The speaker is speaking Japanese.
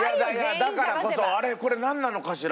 だからこそ「あれ？これなんなのかしら？」